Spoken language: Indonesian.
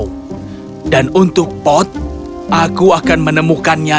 menyadcuati kekesalahanmu dan untuk pot aku akan menemukannya